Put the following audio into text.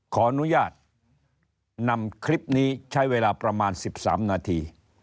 ขออนุญาตนำคลิปนี้ใช้เวลาประมาณ๑๓นาที